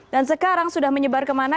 dan sekarang sudah menyebar kemana